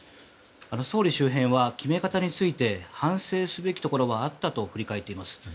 総理周辺は決め方について反省すべきところはあったと振り返っています。